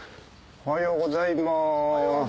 おはようございます。